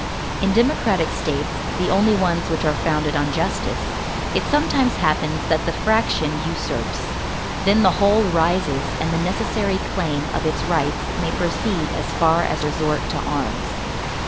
In democratic states, the only ones which are founded on justice, it sometimes happens that the fraction usurps; then the whole rises and the necessary claim of its rights may proceed as far as resort to arms.